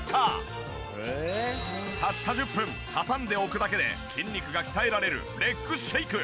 たった１０分挟んでおくだけで筋肉が鍛えられるレッグシェイク。